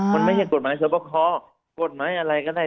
มันไม่ใช่กฎหมายสวบคอกฎหมายอะไรก็ได้